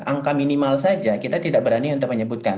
angka minimal saja kita tidak berani untuk menyebutkan